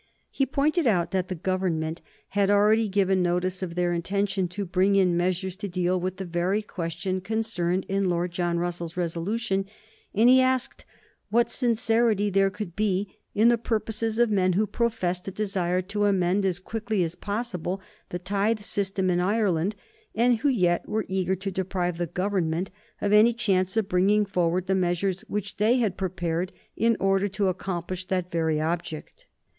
He pointed out that the Government had already given notice of their intention to bring in measures to deal with the very question concerned in Lord John Russell's resolution; and he asked what sincerity there could be in the purposes of men who professed a desire to amend as quickly as possible the tithe system in Ireland, and who yet were eager to deprive the Government of any chance of bringing forward the measures which they had prepared in order to accomplish that very object.